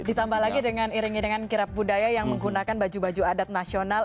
ditambah lagi dengan iring iringan kirap budaya yang menggunakan baju baju adat nasional